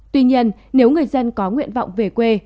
tuy nhiên nếu người dân có nguyện vọng về quê